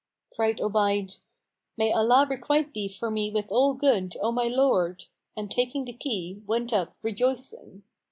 Cried Obayd, "May Allah requite thee for me with all good, O my lord!" and taking the key, went up, rejoicing.